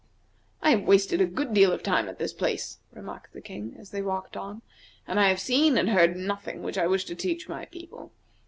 "I have wasted a good deal of time at this place," remarked the King, as they walked on, "and I have seen and heard nothing which I wish to teach my people.